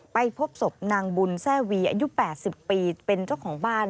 ไปพบศพนางบุญแซ่วีอายุ๘๐ปีเป็นเจ้าของบ้าน